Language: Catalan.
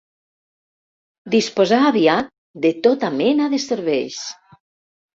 Disposà aviat de tota mena de serveis.